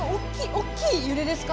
大きい揺れですか？